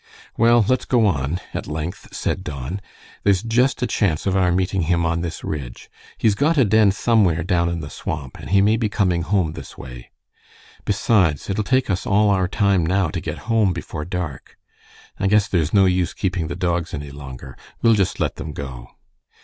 "Well, let's go on," at length said Don. "There's just a chance of our meeting him on this ridge. He's got a den somewhere down in the swamp, and he may be coming home this way. Besides, it'll take us all our time, now, to get home before dark. I guess there's no use keeping the dogs any longer. We'll just let them go."